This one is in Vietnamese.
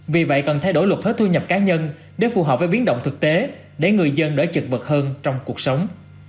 vì vậy cần thay đổi luật thuế thu nhập cá nhân để phù hợp với biến động thực tế để người dân đỡ chật vật hơn trong cuộc sống